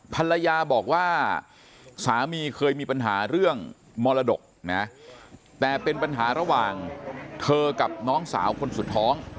ภรรยาบอกว่าสามีเคยมีปัญหาเรื่องมรดกนะแต่เป็นปัญหาระหว่างเธอกับน้องสาวคนสุดท้อง